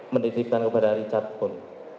menitipkan kepada richard pun